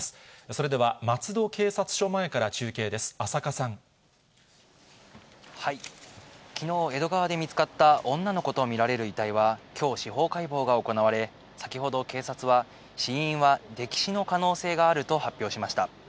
それでは松戸警察署前から中継できのう、江戸川で見つかった女の子と見られる遺体は、きょう、司法解剖が行われ、先ほど、警察は、死因は溺死の可能性があると発表しました。